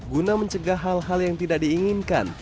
guna mencegah hal hal yang tidak diinginkan